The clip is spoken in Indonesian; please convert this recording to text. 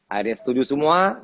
akhirnya setuju semua